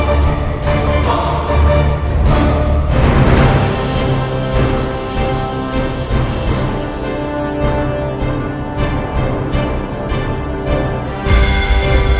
andin kan gak bisa berenang